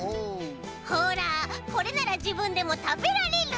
ほらこれならじぶんでもたべられる！